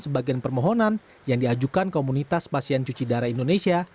sebagian permohonan yang diajukan komunitas pasien cuci darah indonesia